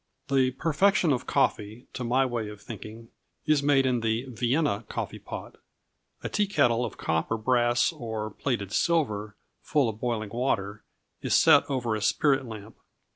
The perfection of coffee, to my way of thinking, is made in the "Vienna coffee pot." A tea kettle of copper, brass, or plated silver, full of boiling water, is set over a spirit lamp.